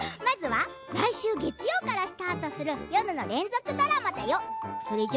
来週月曜からスタートする夜の連続ドラマだよ。